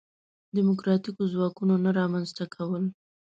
دیموکراتیکو ځواکونو نه رامنځته کول.